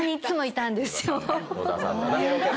野田さんだな。